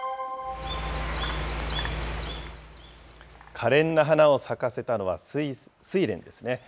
かれんな花を咲かせたのはスイレンですね。